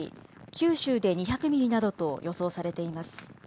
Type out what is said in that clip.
九州で２００ミリなどと予想されています。